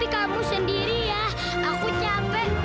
kamu sembarin aja serbuk ini